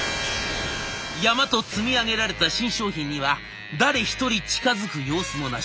山と積み上げられた新商品には誰一人近づく様子もなし。